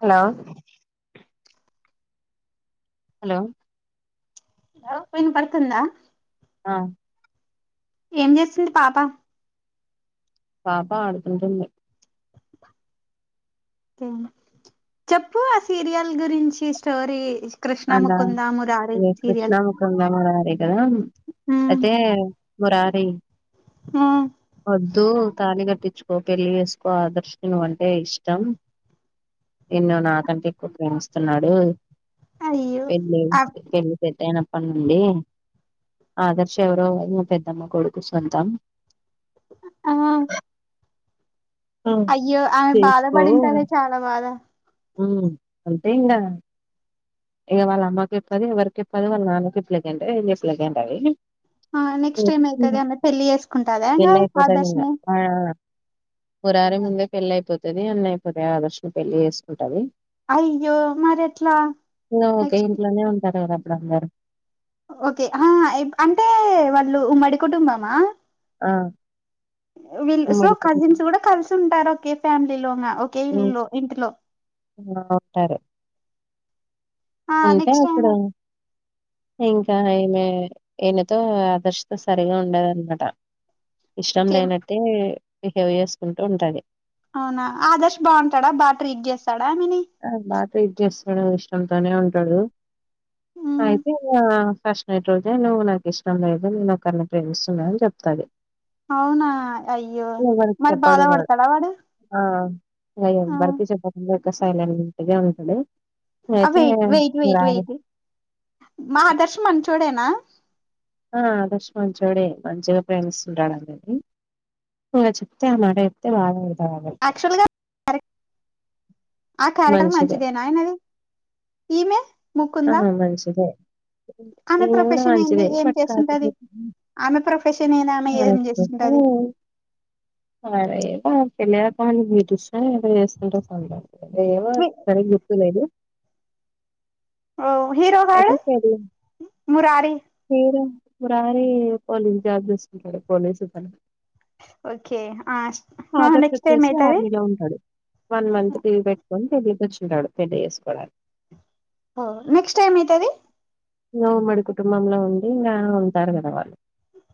Hello hello లో విన్పడ్తుందా ఆ ఏం జెస్సుంది పాప పాప ఆడుకుంటుంది. చెప్పు ఆ సీరియల్ గురించి స్టోరీ కృష్ణ ముకుందా మురారి సీరియల్ కుంద మురారి కదా అయితే మురారి హ ఒద్దు తాళి గట్టిచుకో పెళ్లిఎస్కో ఆదర్శ్ కు నువ్వు అంటే ఇష్టం నిన్ను నాకంటే ఎక్కు ప్రేమిస్తున్నాడు అయ్యో పెళ్ళి ఆ పెళ్లి పెద్దైన ప్పనుండి ఆదర్శ్ ఎవరో పెద్దమ్మ కొడుకు సొంతం అ ఆహా అయ్యో ఆమె బాధ పడింటాదె చాల బాధ ఉమ్మ్ అంటె ఇంగా ఇగ వాళ్ళ అమ్మకి చెప్తది ఎవరికి చెప్పది వాళ్ళ నాన్నకి ఇట్ల గంటే [inaudible] ఆ నెక్స్ట్ ఆహా ఏమైతది ఆమె పెళ్లి చేసుకుంటదా ఇంగ చెన్నై కి పోత ఆదర్శ్ అన్నది ని ఆ [inaudible] మురారి ముందే పెళ్లి అయిపోతది అన్ని అయిపోతయి ఆగస్టులో పెళ్లి చేసుకుంటాది అయ్యో మరి ఎట్ల చిన్న ఒకే ఇంట్లోనే ఉంటారు కద అప్పుడు అందరు ఓకే ఆహా అంటే వాళ్ళు ఉమ్మడి కుటుంబమ ఆ వెళ్ళు సో ఉమ్మడి కుటుంబం కజిన్స్ కూడ కలిస్ ఉంటారు ఒకే ఫ్యామిలి లోన ఒకే ఇల్లి హ్మ్. లో ఇంటిలో ఆ వుంటారు ఆ ఉంటా నెక్స్ట్ అక్కడ ఇంకా ఏమె ఈయన తో ఆదర్శ్ తో సరిగా ఉండదన్నమాట ఇష్టం టైం లేనట్టే బిహేవ్ చేసుకుంటు ఉంటది అవున ఆదర్శ్ బాగుంటడా బాగ ట్రీట్ చేస్తడ ఆమెని బాగ ట్రీట్ చేస్తడు ఇష్టంతోనే ఉంటడు ఉమ్, అయితే ఇగ ఫస్ట్ నైట్ రోజే నువ్వు నాకు ఇష్టం లేదు నేను ఒకరిని ప్రేమిస్తున్న అని చెప్తది అవునా అయ్యో ఎవరికి మరి బాధ చెప్పడు పడతడా వాడు ఆ ఇగ ఆ ఎవ్వరికి చెప్పకుండ ఇట్ల సైలెంట్గ ఉంటడు అ వెయిట్ వెయిట్ వెయిట్ వెయిట్ మా ఆదర్శ్ మంచోడేన ఆ ఆదర్శ్ మంచోడే మంచిగ ప్రేమిస్తుంటాడు అందర్నీ ఉ చెప్తే ఆ మాట చెప్తే బాధపడతారు అందరు ఆయన క్యారెక్టర్ మంచిదే మంచిదేన ఆయనది ఈమె ముకుందా ఆహా మంచిదే ఆమె ఈమి కూడ ప్రొఫెషన్ ఏంది మంచిదే ఏం బట్ చేస్తుంటది కాకపోతే ఆమె ప్రొఫెషనే న ఆమె ఏం చేస్తుంటది అది అయితే తెలియదు కానీ బ్యూటీషన్ ఏదో చేసుకుంటది తను ఏమో సరిగ గుర్తులేదు హీరో గాడు అయితే సరే మురారి మీరు మురారి పోలీస్ జాబ్ జేసుకుంటడు పోలీస్ అతను ఓకే ఆదర్శ్ నెక్స్ట్ అచ్చేసి ఏమైతది ఆర్మీలో ఉంటడు వన్ మంత్ లీవ్ పెట్టుకొని పెళ్లికి వచ్చుంటాడు పెళ్లి చేసుకోవడానికి హో నెక్ట్ టైమ్ అయితది నో ఉమ్మడి కుటుంబంలో ఉండి ఇంగ ఉంటారు కదా వాళ్ళు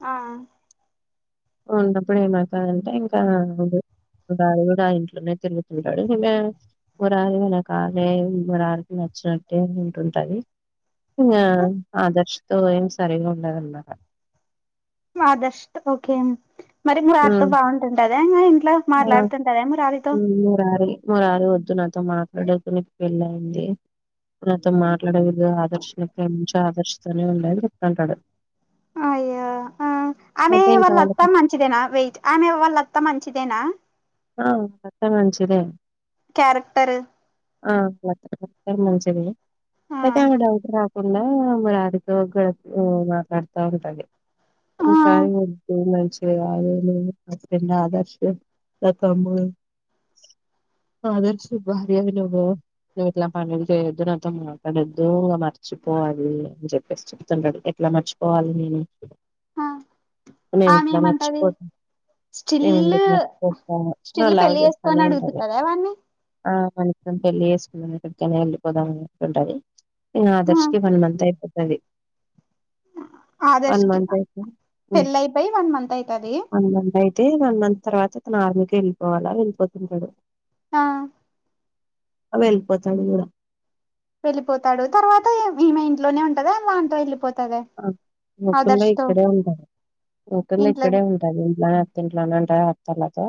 ఆ ఉన్నప్పుడే మాకు అంటే ఇంకా ఆ [inaudible] గాడు కూడ ఇంట్లోనే తిరుగుతుంటాడు మిమె [inaudible] మురారికి న కాలే మురారికి నచ్చినట్టే ఉంటుంటది ఇంగ ఆదర్శ్ తో ఏం సరిగ ఉండదన్నమాట మా ఆదర్శ్ ఓకే మరి మురారితో ఉమ్ బాగుంటుందా మరి ఇంట్లో మాట్లాడుతుంటద మురారితో ఉమ్ మురారి మురారి వద్దు నాతో మాట్లాడకు నీకు పెళ్ళి అయింది నాతో మాట్లాడే విధ ఆదర్శ్ వింటే ఆదర్శ తోనే ఉండయని చెప్తుంటాడు [inaudible] అయ్యా ఆ ఆమె అయితే ఇంక వాళ్ళ వాళ్ళత్తా మంచిదేనా వెయిట్ ఆమె వాళ్ళత్తా మంచిదేనా ఆ అత్త మంచిదే క్యారెక్టర్ ఆ మంచి [unintelligible] ఆ [unintelligible] ఫ మరు ఆధిక ఆ మాట్లాడుతా ఉంటే ఆ [unintelligible] మంచిది కాదు ఆదర్శం తమ్ము అదర్ శు భార్య అనవ [unintelligible] [unintelligible] వీలా పం ఎదు నాతో మాడదు ఇ మరచిపోవది చెప్పే చెప్తుంటడు ఎట్లా మర్చిపోవాలి నేను ఆ నేమి ఆమె ఇట్లా ఏమంటది మర్చిపో ఏ స్టిల్ ఇలా [unintelligible] హా స్టిల్ లవ్ పెళ్లి చేస్తానే చేసుకొని ఉంటధి అడుగుతుంటదా వాన్ని ఆ మషం పెళ్ళి చేసుకునే వెళ్ళిపోదామ అ ఉంటది [unintelligible] ఇంగా ఆదర్శకి వన్ మంత్ అయిపోతుది ఆదర్శ్ వన్ కి మంతంత్ అయితే వన్ పెళ్ళి అయిపోయి వన్ మంత్ అయితది మంత్ అయి [unintelligible] తే వన్ మంత్ తర్వాత అతను ఆర్మీకి వెళ్ళిపోవాలా వెళ్ళిపోతుంటాడు ఆ వెళ్ళిపోతాడు కూడా వెళ్ళిపోతాడు. తర్వాత ఈమె ఇంట్లోనే ఉంటద వాల నాన్న తోనీ వెళ్లిపోతద. మకుంద ఇక్కడే ఉండాల మకుంద ఇక్కడే ఇంట్లోనే ఉం [unintelligible] ఇంట్లో అతింట్లో అంట అత్తలతో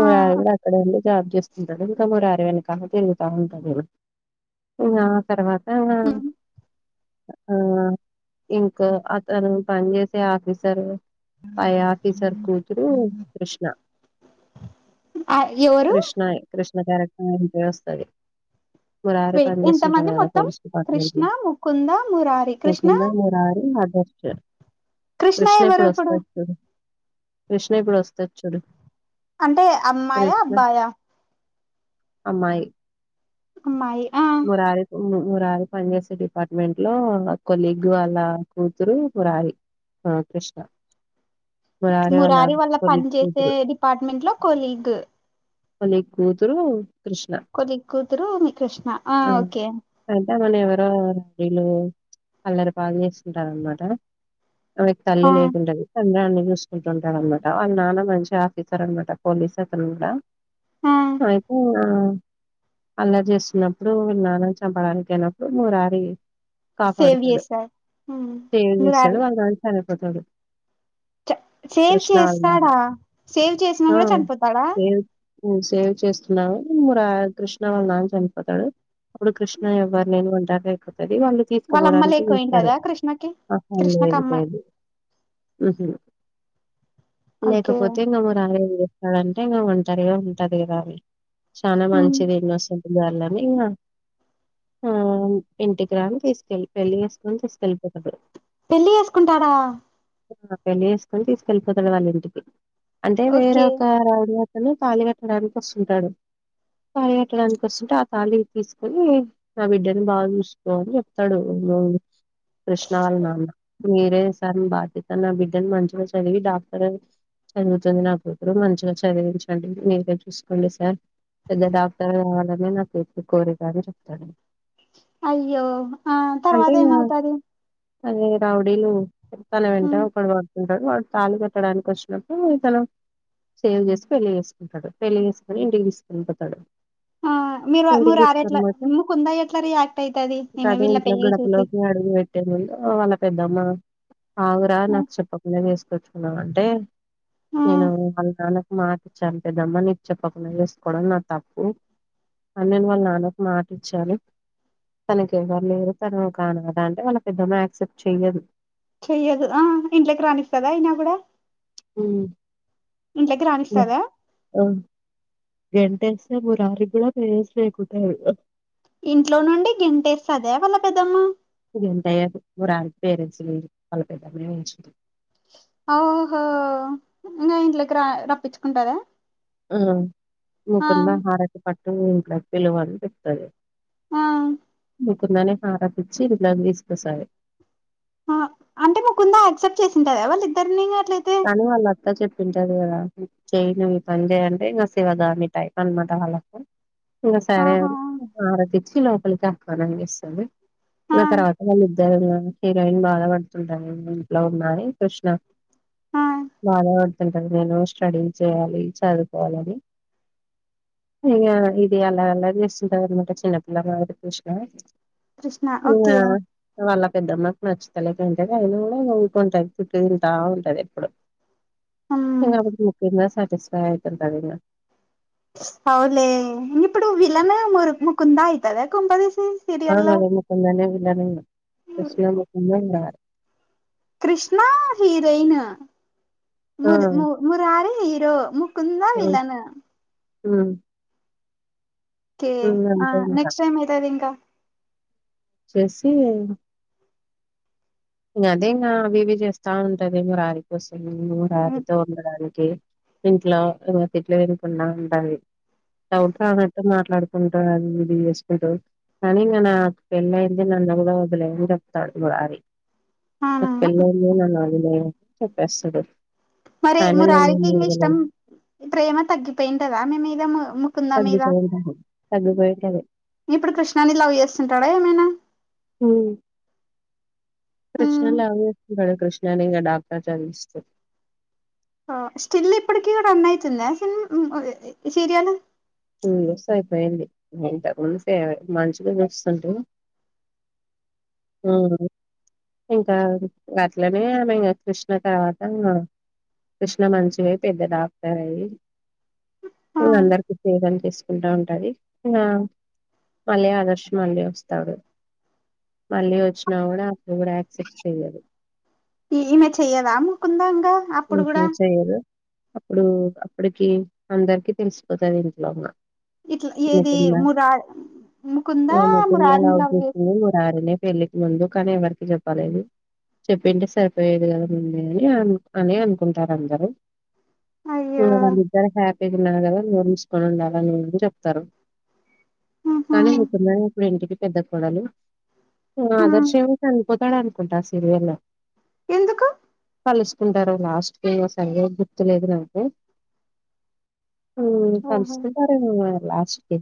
మురారి కూడా అక్కడ వెళ్ళ [unintelligible] జాబ్ చేస్తుంటారు ఇంకా మురారి వెనకాల తిరుగుతా ఉంటాడు ఇంగ ఆ తర్వాత ఇంగ ఆ ఇంకా అతను పని చేసే ఆఫీసర్ పై ఆఫీసర్ కూతురు కృష్ణ ఆ ఎవరు కృష్ణ కృష్ణ క్యారెక్టర్ వస్తుది మురారి వెయిట్ పని చేస్తుంటారు ఎంతమంది కదా మొత్తం పోలీస్ డిపార్ట్మెంట్ కృష్ణ లో ముకుంద మురారి కృష్ణ దారి అదర్శ కృష్ణ ఇప్పుడు వస్తది. చూడు కృష్ణ ఇప్పుడు వస్తది చూడు అంటే అమ్మాయా కృష్ణ అబ్బాయా అమ్మాయి అమ్మాయి ఆ మురారి మురారి పనిచేసే డిపార్ట్మెంట్ లో కొలిగ్ వాళ్ళ కూతురు మురారి ఆ కృష్ణ వాళ్ళ మురారి వాల్ల పని కొలీగ్ చేసే కూతురు డిపార్ట్మెంట్ లో కొలీగ్ [unintelligible] ఎపుడు కూతురు కృష్ణ కొలిగ్ కూతురు కృష్ణ ఆ ఓకే [unintelligible] అంటే మన ఎవరో రడీలు అల్లరి బాగా చేస్తుంటార అనమాట ఆమెకి తల్లి ఆ లేకుంటది చంద్రాన్ని చూసుకుంటుంటాడునమాట. వాళ్ళ నాన్న మంచి ఆఫీసర్ అనమాట పోలీస్ అతను కూడా ఆ అయితే ఆ అల్లరి చేస్తా చిన్నప్పుడు నాన్న [unintelligible] చంపడాలనికియిళ్ళినప్పుడు మూరారి సేవ్ కాపాడుతాడు చేసారు సేవ్ చేస్తాడు మురారి వాళ్ళ నాన్న చనిపోతాడు చ సేవ్ కృష్ణ వాళ్ళ నాన్న చేస్తాడా సేవ్ చేసినా కూడా చనిపోతాడా ఉం సేవ్ చేస్తున్నా ముర కృష్ణ వాళ్ళ నాన్న చంపి పోతాడు అప్పుడు కృష్ణ ఎవ్వరు లేని వంటరుది అయిపోతుది వాళ్ళు వాళ్ళ అమ్మ తీసుకుపోవడానికి చస్తారు లేకపోయింటదా కృష్ణకి ఆహా లేదు కృష్ణకమ్మ లేదు ఉహు ఓకే లేకపోతే ఇంకాము రాలేదు అదంటే ఇంకా ఒంటరిగా ఉంటాది కదా అని చాలా ఉమ్, మంచిది ఇన్నోసెంట్ గర్ల్ అని ఇగ ఆ ఇంటికి రాని తీసుకెళ్లి పెళ్లి చేసుకొని తీసుకెళ్ళిపోతాడు పెళ్లి చేేసుకుంటాడా ఆ పెళ్లి చేేసుకొని తీసుకెళ్ళిపోతాడు వాళ్ళ ఇంటికి అంటే వేరే ఓకే ఒక రఐడియా తాను తాళి కట్టడానికి వస్తుంటాడు తాళి కట్టడానికి వస్తుంటే తాళి తీసుకొని నా బిడ్డని బాగా చూసుకో అని చెప్తాడు మా కృష్ణ వాళ్ళ నాన్న మీరే సార్ బాధ్యత నా బిడ్డని మంచిగా చదివి డాక్టర్ చదువుతుంది నా కూతురు మంచిగా చదివించండి మీరే చూసుకోండి సార్ పెద్ద డాక్టర్ కావాలని నా కిర్తి కోరికని చెప్తాడు అయ్యో ఆ అంటే తర్వాత ఏమవుతాది అదే రౌడీలు తన వెంట హ్మ్ ఒక ఉంటాడు వాడు తాళి కట్టడానికి వచ్చినప్పుడు ఈ తను సేవ్ చేసి పెళ్లి చేసుకుంటాడు పెళ్లి చేసుకొని ఇంటికి తీసుకొనిపోతాడు ఆ మీరు మురారి ఎట్లా పోతే ముకుందా ఎట్లా రియాక్ట్ అయితాది ఈమె వీళ్ళ పెళ్లి చూసి ఇగ పెట్టే ముందు వాళ్ళ పెద్దమ్మ ఆగురా ఆ నాకు చెప్పకుండా తీసుకొచ్చుకున్నావ్ అంటే ఆ నేను వాళ్ళ నాన్నకు మాట చంపోదమ్మా నేను చెప్పకుండా చేేసుకోవడం నా తప్పు అ నేను వాళ్ళు నాన్నకి మాట ఇచ్చాను తనకి ఎవరు లేరు తనొకనద అంటే వాళ్ళ పెద్దమ యాక్సెప్ట్ చెయ్యదు చెయ్యదు ఆ ఇంట్లకి రానిస్తదా అయినా కూడా ఉమ్. ఇంట్లకి రానిస్తాదా అ గెంటేస్తే మురరకి కూడా ప్లేస్ లేకుంటా అయిత ఇంట్లో నుండి గెంటేస్తాడా వాళ్ళ పెద్దమ్మ గెంటేయదు మురారి పేరెంట్స్ పిలిచి వాళ్ళ పెద్దమ్మ నే ఉంచుకుంటాది ఓహో ఇంకా ఇంట్లకి ర రప్పించుకుంటాదా ఆ ముకుంద ఆహారకి పట్టు ఇంట్లోకి పిలువని చెప్తది ఆ మీకుందనే హారతిచ్చి ఇంట్లకి తీసుకొస్తాది ఆ అంటే ముకుందా యాక్సెప్ట్ చేసింటద వాళ్ళు ఇద్దరిని అట్లయితే కానీ వాళ్ళ అత్తా చెప్పి ఉంటాది కదా చేయ ను్ ఈ పని చేయంటే ఇంకా శివగామి టైం అన్నమాట వాళ్ళ అత్త ఇంకా సరే ఆహా అని హారతి ఇచ్చి లోపలికి ఆహ్వానాం చేస్తుంది ఆ ఇ తర్వాత వాళ్ళు ఇద్దరు హీరోయిన్ బాధ పడుతుంటాది ఇంట్లో ఉన్నారు కృష్ణ ఆ బాధ పడుతుంటాది నేను స్టడీ చేయాలి చదువుకోవాలిని ఇ ఇది అలా అల్లరి చేస్తుంటాది అన్నమాట చిన్నపిల్ల లాగా కృష్ణ కృష్ణ ఇంగ ఓకే వాళ్ళ పెద్దమ్మకి నచ్చుతలేంటేది అయిన కూడా ఊకుంటాది తిట్టు తంటా ఉంటాది ఎప్పుడు హ్మ్ ఇంగ ఆమెకి చెప్పినా సటిస్ఫ అయితుంటాది ఇంగ అవులే ఇంగ ఇప్పుడు విలన్ మురు ముకుందా అయితాదా కొంపతీసి ఆ ముకుందా నే విలన్ కృష్ణ ముకుందా మురారి కృష్ణ హీరోయిన్ ఆ ముర్ మూర్ మురారి హీరో ము కుందా విలన్ ఉమ్ కే ఆ అంతే ఇంకా నెక్స్ట్ టైమ్ అయితది ఇంకా? చేసి ఇక అదే ఇం అవి చేస్తా ఉంటదేమో రారి కోసం రారితో ఉన్న రారి ఏ ఇంట్లో తిట్లు వినకుండా ఉండాలి. ఎవ కానట్ మాట్లాడుకుంటారు అ ఇది చేసుకుంట కానీ న నా ఆ పెళ్ళ అయింది నన్న కూడా వదులేని చెప్తాడుది మురారి అవునా నాకు పెళ్లి అయిదని నన్ను చెప్పేస్తడు మరి అయినా నేను మురారి ఏమి ఇంక ఇష్టం వదలను ప్రేమ తగ్గిపోయింది కదా మే మీద మొ ము ముకుంద మీద తగ్పోంటా తగ్పోంటాది ఇప్పుడు కృష్ణాని లవ్ చేస్తుంటాడా ఏమైనా? హు కృష్ణ ఉమ్ వ చేస్తున్నాడు కృష్ణని ఇంకా డాక్టర్ చదివిస్తూ అ స్టీల్ ఇప్పుడీకి కూడా రన్ అయితుంద సీల్ ఉ ఇ సీరియలు టూ ఇయర్స్ అయిపోయింది ఇంతకు ముందు ఫ మంచిగా చూస్తుంటే ఆ ఇంకా అట్లనే ఆమె ఇంకా కృష్ణ తర్వాత ఇగ కృష్ణ మంచి గ అయి పెద్ద డాక్టర్ అయి ఆ ఇంగ అందరికి తీసుకుంటా ఉంటది ఇగ మళ్ళీ ఆదర్శ మళ్ళీ వస్తాడు. మళ్ళీ వచ్చినా కూడా అక్కడ కూడా యాక్సెప్ట్ చేయ్యదు. ఇమె చేయ్యదా ముకుందా ఆంగ ముకుంద్ చెయ్యదు అప్పుడు అప్పటికి అందరికి తెలిసిపోతుంది ఇంట్లోమ్న్న ఇట్లా ఏది ముకుంద మురా ముకుందా ముకుందలు మురారిని అస లవ్ చేసి సారినె పెళ్లికి ముందు కానీ ఎవరికి చెప్పాలెదు చెప్పింటే సరిపోయేదుగాద ముందే అని అ అనె అనుకుంటారు అందరూ అయ్యో వాళ్ళిద్దరు క్యా ఐదున్నర నెలల్లో నిుసుకుండాలి గాని చెప్తారు ఉహు కానీ మీకున్నా ఇప్పుడి ఇంటికి పెద్ద కోడలు ఆదర్శ ఏమ చనిపోతాడు అనుకుంటా ఆ సీరియల్ ఎందుకు? కలుసుకుంటారు లాస్ట్ కే సండే అని గుర్తులేదునంటే ఉమ్ ఓహో కలుసుకుంటారు అండి మరి లాస్ట్కి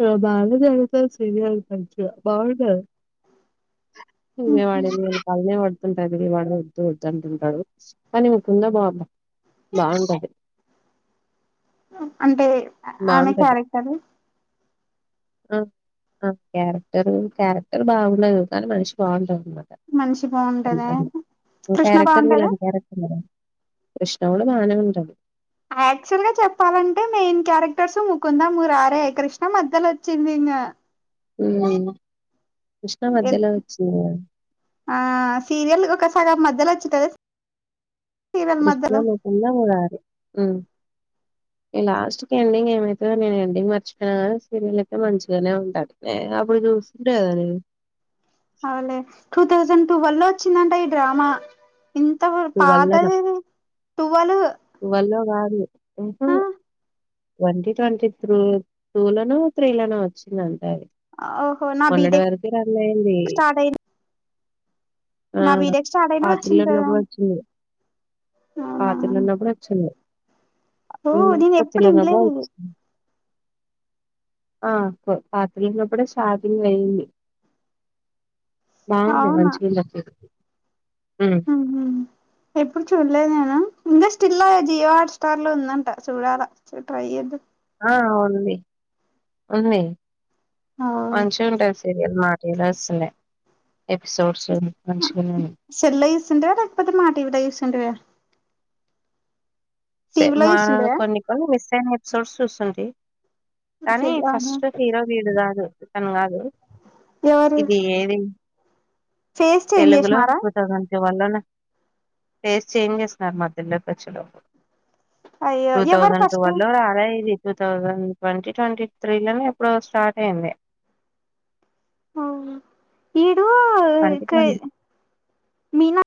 చాలా బాగా జరుగుతాది సీరియల్ మంచిగా బావుంటాది. ఇ వాడ బానే వడదుంటాయివి వాడ ఉద్దు వదుంటుంట కాని అని ముకుంద బాప బావుంటాది అంటే ఆమె బావుంటది క్యారెక్టర్ ఆ ఆ క్యారెక్టర్ క్యారెక్టర్ బాగుండదు కానీ మనిషి బాగుంటది అమాట మనిషి బాగుంటదా కృష్ణ క్యారెక్టర్ బాగుంటదా మీలాంటి కారక్టర్ కృష్ణ కూడా బానే ఉంటది. యాక్చువల్ గా చెప్పాలంటే మెయిన్ క్యారెక్టర్స్ ముకుంద మురారే కృష్ణ మధ్యలో వచ్చింది ఇంగ మ్ కృష్ణ మధ్యలో వచ్చిందా ఆ సీరియల్ ఒక సగం మధ్యలో వచ్చిటది కృష్ణ ముకుంద మురారి ఉమ్ ఈ లాస్ట్ కి ఎండింగ్ ఏమైతుందో నేను ఎండింగ్ మర్చపోన సరియల్ అయితే మంచిగానే ఉంటాది. ఏ అప్పుడే చూసుంటాది అది అవులే టూ థౌసండ్ టూ వల్లో వచ్చిందంటే ఈ డ్రామా ఇంత పాత టు వేలు వల్లో కాదు ఉహు ట్వంటీ ట్వంటీ త్రూ టూలనో త్రీలనో వచ్చిందంతే ఓహో నా మొన్నటి బీటెక్ వరకు రనయింది స్టార్ట్ అయింది ఆ నా బీటెక్ స్టార్ట్ అయినప్పుడు పాత్రలో వచ్చింది ఉన్న కదా అవునా పాతలో ఉన్నప్పుడు వచ్చింది ఓ నేను ఎప్పుడు పతిలా ఇనలేదు బాగు ఇది ఆ పాత్రన్నప్పు కూడా షాపింగ్ అయింది బాగుంది అవునా వచ్చింది అప్పుడు ఉహు ఎప్పుడు చూడలేదు నేను ఇంకా స్టిల్ జియో హాట్స్టార్లో ఉందంట చూడాలా ఒకసారి ట్రై చేద్దాం ఆ ఉంది ఉంది మంచి ఉంటాయి సీరియల్ మా న్నా ఎపిసోడ్స్ మంచిగానే సెల్లో చూస్తుంటావా లేకపోతే మా టీవిలో చూస్తుంటావా సె టీవీలో మా చూస్తుంటివా కొన్ని కొన్ని మిస్ అయిన ఎపిసోడ్స్ చూస్తు ఉంటీ కానీ ఆహా ఫస్ట్ హీరో వీడు కాదు తను కాదు ఎవరు ఇది ఏది ఫేస్ చేంజ్ తెలుగులో చేసినారా టి వల్లనే టేస్ట్ చేంజ్ చేస్తున్నారు మా తెల్లకచ్చలో అయ్యో టూ ఎవరు థౌజండ్ ఫస్ట్ టూవెలో రాడయది టూ థౌజండ్ ట్వంటీ ట్వంటీ త్రీలోనే ఎప్పుడో స్టార్ట్ అయింది ఆ ఇడు పట్టిగాది మీనా